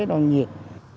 đò thân nhiệm